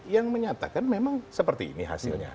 yang menyatakan memang seperti ini hasilnya